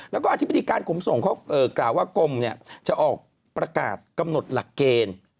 แล้วก็อธิบดีการขนส่งเขากล่าวว่ากรมจะออกประกาศกำหนดหลักเกณฑ์